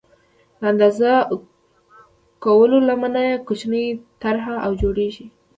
د اندازه کولو لمنه یې کوچنۍ طرحه او جوړېږي.